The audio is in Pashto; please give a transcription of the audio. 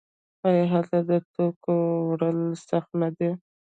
آیا هلته د توکو وړل سخت نه دي؟